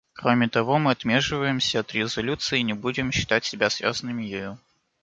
Кроме того, мы отмежевываемся от резолюции и не будем считать себя связанными ею.